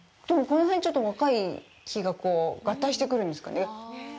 この辺、ちょっと若い木が合体してくるんですか。